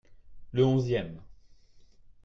Le onzième.